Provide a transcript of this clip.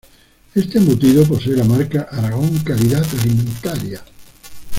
Este embutido posee la marca Aragón Calidad Alimentaria.